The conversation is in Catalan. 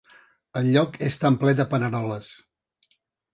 El lloc és tan ple de paneroles.